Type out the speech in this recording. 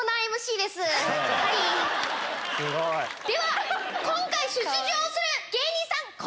では今回出場する芸人さん